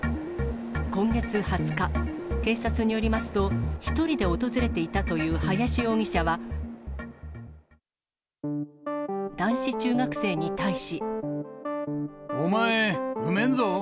今月２０日、警察によりますと、１人で訪れていたという林容疑者は、男子中学生に対し。お前、埋めんぞ。